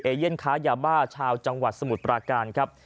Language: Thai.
เย่นค้ายาบ้าชาวจังหวัดสมุทรปราการครับ